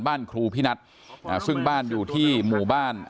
บ้านครูพินัทซึ่งบ้านอยู่ที่หมู่บ้าน